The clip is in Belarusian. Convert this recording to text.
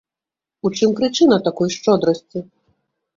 У чым прычына такой шчодрасці?